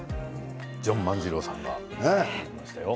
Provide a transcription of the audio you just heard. ジョン万次郎さんが出ましたよ。